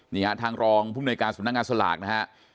นี่ฮะทางรองภูมิหน่วยการสำนักงานสลากนะฮะ